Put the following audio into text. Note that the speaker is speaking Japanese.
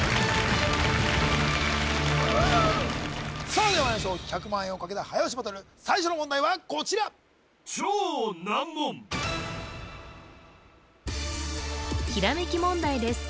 さあではまいりましょう１００万円をかけた早押しバトル最初の問題はこちらひらめき問題です